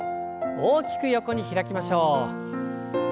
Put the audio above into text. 大きく横に開きましょう。